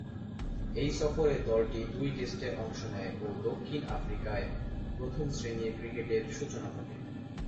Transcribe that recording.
এ সফরে দলটি দুই টেস্টে অংশ নেয় ও দক্ষিণ আফ্রিকায় প্রথম-শ্রেণীর ক্রিকেটের সূচনা ঘটে।